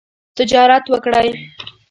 تجارت وکړئ